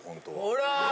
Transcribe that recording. ほら。